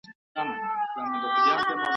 فرعون او هامان ,